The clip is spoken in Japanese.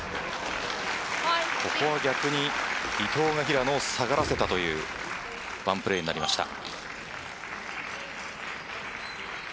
ここは逆に伊藤が平野を下がらせたというワンプレーになりました。